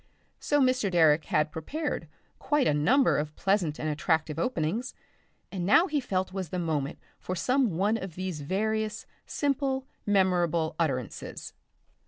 So Mr. Direck had prepared quite a number of pleasant and attractive openings, and now he felt was the moment for some one of these various simple, memorable utterances.